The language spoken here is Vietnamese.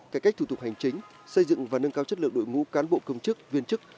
cải cách thủ tục hành chính xây dựng và nâng cao chất lượng đội ngũ cán bộ công chức viên chức